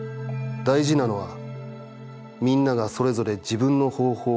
大事なのは、みんながそれぞれ自分の方法を発見することだ。